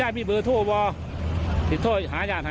ย่ายพี่เบล้วทูปอะหางานฮะ